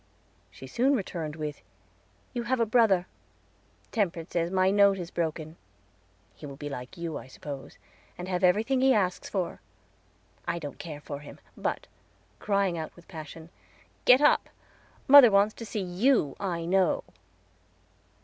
She soon returned with, "You have a brother. Temperance says my nose is broken. He will be like you, I suppose, and have everything he asks for. I don't care for him; but," crying out with passion, "get up. Mother wants to see you, I know."